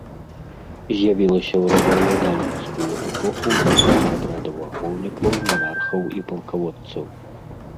З'явілася ў рабаўладальніцкую эпоху ў выглядзе атрадаў ахоўнікаў манархаў і палкаводцаў.